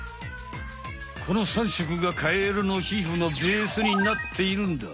この３色がカエルのひふのベースになっているんだ。